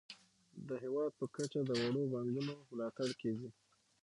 د هیواد په کچه د وړو پانګونو ملاتړ کیږي.